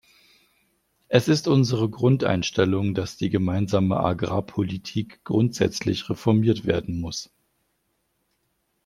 Es ist unsere Grundeinstellung, dass die Gemeinsame Agrarpolitik grundsätzlich reformiert werden muss.